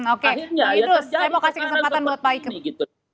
akhirnya ya terjadi kemarau kebetulan ini gitu